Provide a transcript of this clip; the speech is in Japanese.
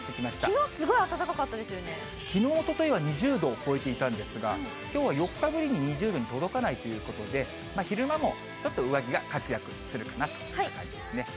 きのうすごい暖かかったですきのう、おとといは２０度を超えていたんですが、きょうは４日ぶりに２０度に届かないということで、昼間もちょっと上着が活躍するかなっていう感じですね。